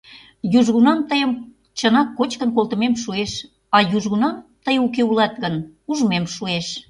Южгунам тыйым чынак кочкын колтымем шуэш, а южгунам тый уке улат гын, ужмем шуэш.